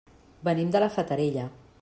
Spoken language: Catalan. Venim de la Fatarella.